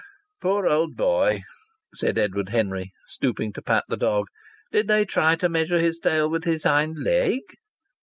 "Poor old boy!" said Edward Henry, stooping to pat the dog. "Did they try to measure his tail with his hind leg?"